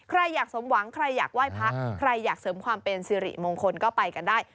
ใครอยากสมหวังใครอยากไหว้พระใครอยากเสริมความเป็นสิริมงคลก็ไปกันได้